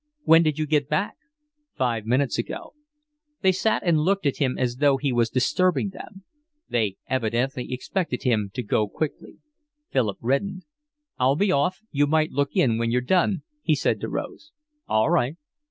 "When did you get back?" "Five minutes ago." They sat and looked at him as though he was disturbing them. They evidently expected him to go quickly. Philip reddened. "I'll be off. You might look in when you've done," he said to Rose. "All right."